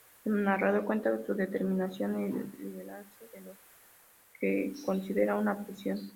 El narrador cuenta su determinación a liberarse de lo que considera una prisión.